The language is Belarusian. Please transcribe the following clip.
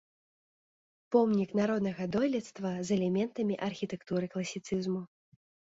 Помнік народнага дойлідства з элементамі архітэктуры класіцызму.